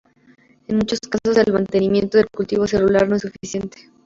En muchos casos, el mantenimiento del cultivo celular no es suficiente.